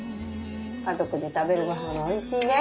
家族で食べるごはんはおいしいね。